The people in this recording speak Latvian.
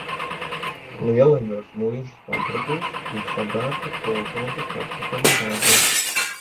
Lielajos muižas pagrabos bija sabērta kolhoza kartupeļu raža.